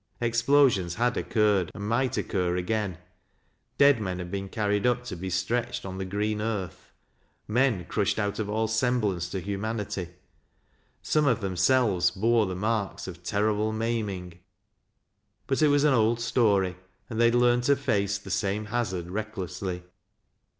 Explosions had occurred, and might occur again ; dead men had been carried up to be stretched on the green earth, — men crushed out of all Beml lance to humanity ; some of themselves bore th< marks of terrible maiming; but it was an old story, and they had learned to face the same hazard recklessly.